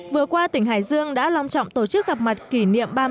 vừa qua tỉnh hải dương đã long trọng tổ chức gặp mặt kỷ niệm